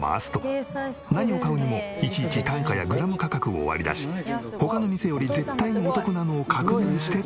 何を買うにもいちいち単価やグラム価格を割り出し他の店より絶対にお得なのを確認して購入。